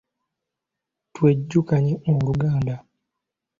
Twejjukanye Oluganda.